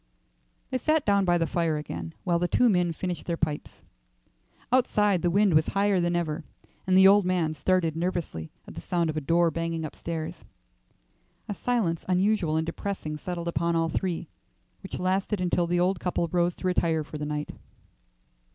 They sat down by the fire again while the two men finished their pipes. Outside, the wind was higher than ever, and the old man started nervously at the sound of a door banging upstairs. A silence unusual and depressing settled upon all three, which lasted until the old couple rose to retire for the night.